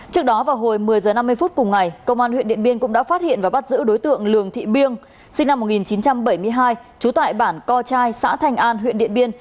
trước đó vào hồi một mươi h năm mươi phút cùng ngày công an huyện điện biên cũng đã phát hiện và bắt giữ đối tượng lường thị biên sinh năm một nghìn chín trăm bảy mươi hai trú tại bản co trai xã thành an huyện điện biên